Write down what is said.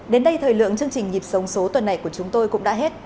đến đây thời lượng chương trình nhịp sống số tuần này của chúng tôi cũng đã hết